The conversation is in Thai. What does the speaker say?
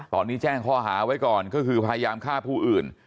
ตอนนี้แจ้งข้อหาไว้ก่อนก็คือพยายามฆ่าผู้อื่น